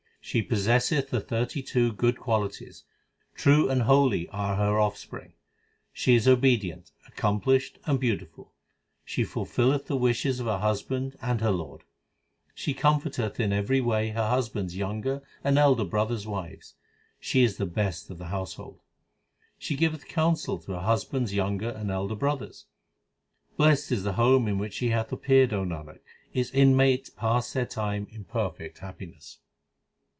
She possesseth the thirty two good qualities ; 2 true and holy are her offspring ; She is obedient, accomplished, and beautiful , She fulfilleth the wishes of her husband and her lord ; She comforteth in every way her husband s younger and elder brothers wives ; She is the best of the household ; She giveth counsel to her husband s younger and elder brothers. Blest is the home in which she hath appeared Nanak, its inmates pass their time in perfect happiness.